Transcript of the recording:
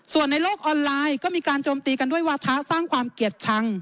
ส่วนในโลกออนไลน์ก็มีการโจมตีกันด้วยวาทะสร้างความเกลียดชัง